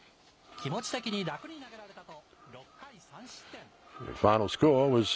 気持ち的に楽に投げられたと、６回３失点。